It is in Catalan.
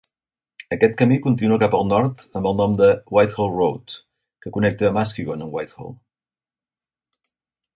Aquest camí continua cap al nord amb el nom de Whitehall Road, que connecta Muskegon amb Whitehall.